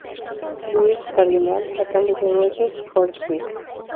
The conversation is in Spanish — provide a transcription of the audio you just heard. Louis Cardinals, a cambio de Rogers Hornsby.